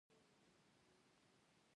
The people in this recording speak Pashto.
هغه کوڅې ته ولاړ او خپل کار يې پيل کړ.